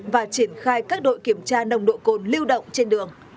và triển khai các đội kiểm tra nồng độ cồn lưu động trên đường